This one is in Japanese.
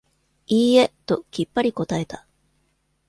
いいえ、ときっぱり答えた。